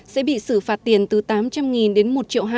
sẽ bị xử phạt tiền từ tám trăm linh đến một triệu hai